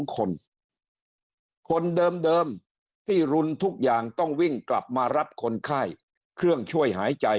คนคนเดิมที่รุนทุกอย่างต้องวิ่งกลับมารับคนไข้เครื่องช่วยหายใจ